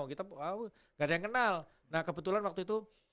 kita gak ada yang kenal nah kebetulan waktu itu